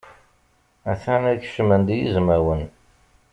Atan kecmen-d yizmawen.